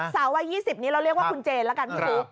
สาววัย๒๐นี้เราเรียกว่าคุณเจนแล้วกันพี่บุ๊ค